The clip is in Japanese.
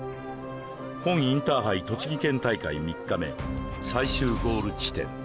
本インターハイ栃木県大会３日目最終ゴール地点